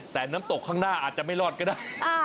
แต่น้ำตกข้างหน้าอาจจะไม่รอดก็ได้